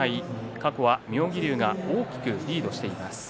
過去は妙義龍が大きくリードしています。